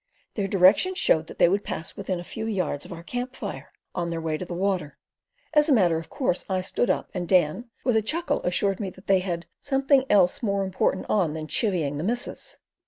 Their direction showing that they would pass within a few yards of our camp fire, on their way to the water, as a matter of course I stood up, and Dan, with a chuckle, assured me that they had "something else more important on than chivying the missus."